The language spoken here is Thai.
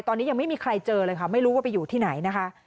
ตอนนี้ยังไม่มีใครเจอเลยค่ะไม่รู้ว่าไปอยู่ที่ไหนนะคะ